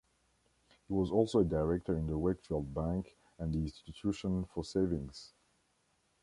He was also a director in the Wakefield Bank and the Institution for Savings.